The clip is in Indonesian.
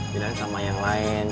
jalan sama yang lain